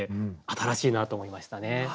新しいなと思いましたね。